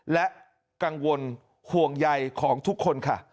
และกังวลห่วงใยของทุกคนค่ะ